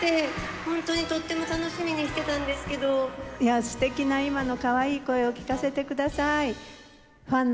本当にとっても楽しみにしてたんいや、すてきな今のかわいい声を聞かせてください。